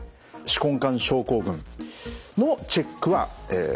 手根管症候群のチェックはえ